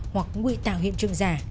hoặc nguy tạo hiện trường giả